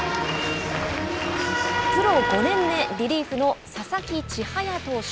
プロ５年目リリーフの佐々木千隼投手。